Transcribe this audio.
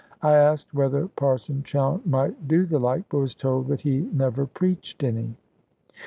I asked whether Parson Chowne might do the like, but was told that he never preached any.